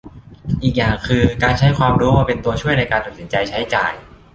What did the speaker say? อีกอย่างคือ การใช้ความรู้มาเป็นตัวช่วยในการตัดสินใจใช้จ่าย